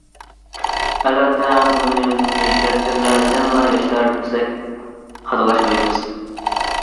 ئەلۋەتتە بۇنى ئۆزگەرتكەنلەر يەنىلا ياشلار دېسەك خاتالاشمايمىز.